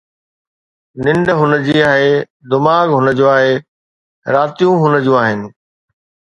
ننڊ هن جي آهي، دماغ هن جو آهي، راتيون هن جون آهن